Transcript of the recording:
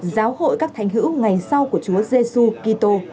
giáo hội các thành hữu ngày sau của chúa giê xu kỳ tô